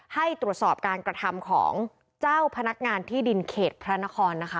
ให้ตรวจสอบการกระทำของเจ้าพนักงานที่ดินเขตพระนครนะคะ